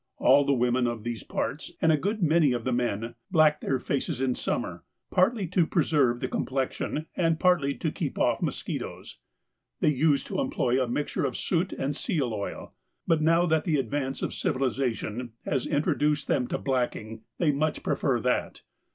All the women of these parts, and a good many of the men, black their faces in summer, partly to preserve the complexion, and partly to keep off mosquitoes. They used to employ a mixture of soot and seal oil, but now that the advance of civilisation has introduced them to blacking, they much prefer that.